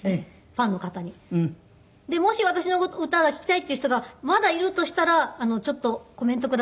ファンの方に。でもし私の歌が聴きたいっていう人がまだいるとしたらちょっとコメントくださいっていって。